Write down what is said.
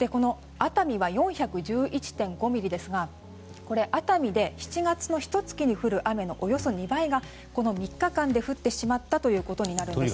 熱海は４１１．５ミリですが熱海で７月のひと月に降る雨のおよそ２倍がこの３日間で降ってしまったということになるわけです。